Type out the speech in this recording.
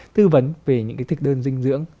tư vấn về những cái thức đơn dinh dưỡng